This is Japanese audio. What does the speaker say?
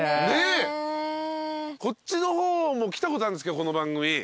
こっちの方も来たことあるんですけどこの番組。